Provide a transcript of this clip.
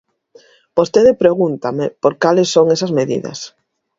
Vostede pregúntame por cales son esas medidas.